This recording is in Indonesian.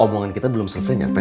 omongan kita belum selesai sampai